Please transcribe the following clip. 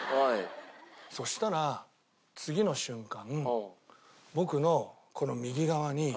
そしたら次の瞬間。